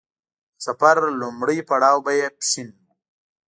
د سفر لومړی پړاو به يې پښين و.